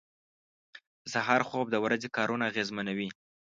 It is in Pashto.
• د سهار خوب د ورځې کارونه اغېزمنوي.